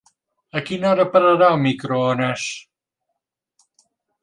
A quina hora pararà el microones?